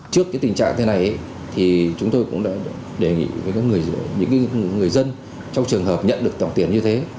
trước cái tình trạng thế này thì chúng tôi cũng đã đề nghị với những người dân trong trường hợp nhận được tổng tiền như thế